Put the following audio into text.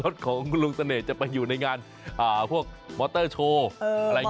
ติดต่อได้จ๊ะ